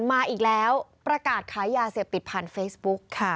มาอีกแล้วประกาศขายยาเสพติดผ่านเฟซบุ๊กค่ะ